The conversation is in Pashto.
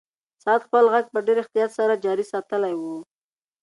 ساعت خپل غږ په ډېر احتیاط سره جاري ساتلی و.